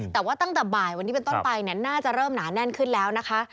แต่ว่าตั้งแต่บ่ายวันนี้เป็นต้นไปเนี่ยน่าจะเริ่มหนาแน่นขึ้นแล้วนะคะ